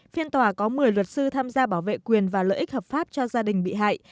phiên tòa có một mươi luật sư tham gia bảo vệ quyền và lợi ích hợp pháp cho gia đình bị hại